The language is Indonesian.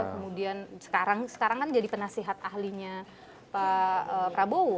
kemudian sekarang kan jadi penasihat ahlinya pak prabowo